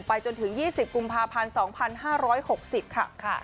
จนถึง๒๐กุมภาพันธ์๒๕๖๐ค่ะ